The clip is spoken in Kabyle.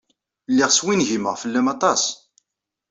Lliɣ swingimeɣ fell-am aṭas.